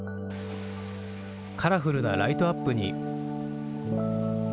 カラフルなライトアップに。